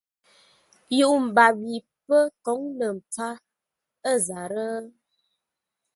Yʉʼ mbap yi pə́ kǒŋ lə̂ mpfár ə̂ zarə́?